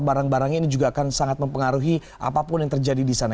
barang barangnya ini juga akan sangat mempengaruhi apapun yang terjadi di sana